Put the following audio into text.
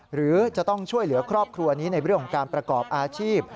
หรือจะต้องช่วยเหลือครอบครัวนี้ในเรื่องของการประกอบอาชีพ